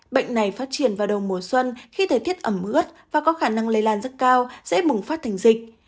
bệnh này phát triển vào đầu mùa xuân khi thời tiết ẩm ướt và có khả năng lây lan rất cao sẽ bùng phát thành dịch